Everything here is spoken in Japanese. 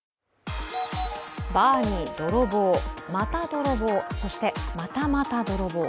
バーに泥棒、また泥棒、そしてまたまた泥棒。